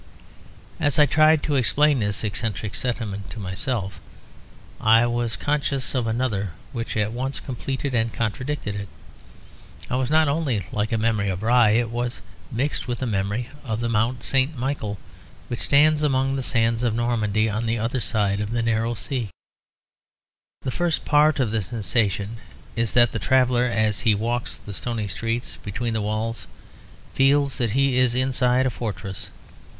As I tried to explain this eccentric sentiment to myself, I was conscious of another which at once completed and contradicted it. It was not only like a memory of Rye, it was mixed with a memory of the Mount St. Michael, which stands among the sands of Normandy on the other side of the narrow seas. The first part of the sensation is that the traveller, as he walks the stony streets between the walls, feels that he is inside a fortress.